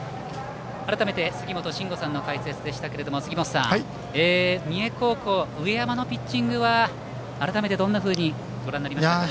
改めて、杉本真吾さんの解説でしたけども杉本さん、三重高校上山のピッチングは改めて、どんなふうにご覧になりましたか。